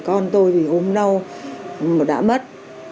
con tôi bị ốm đau đã mất